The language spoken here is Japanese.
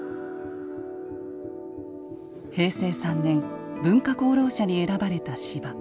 平成３年文化功労者に選ばれた司馬。